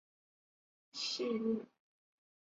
细裂复叶耳蕨为鳞毛蕨科复叶耳蕨属下的一个种。